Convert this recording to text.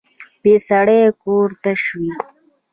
بې سړي کور تش وي